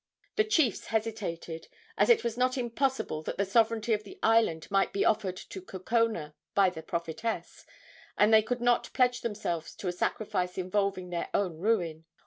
The chiefs hesitated, as it was not impossible that the sovereignty of the island might be offered to Kukona by the prophetess, and they could not pledge themselves to a sacrifice involving their own ruin.